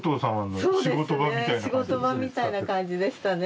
昔は仕事場みたいな感じでしたね。